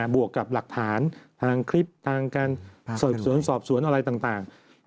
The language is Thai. วกกับหลักฐานทางคลิปทางการสอบสวนสอบสวนอะไรต่าง